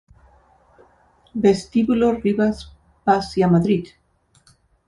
Vestíbulo Rivas Vaciamadrid